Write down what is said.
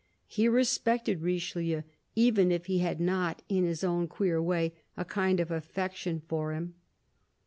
He respected Richelieu, even if he had not, in his own queer way, a kind of affection for him.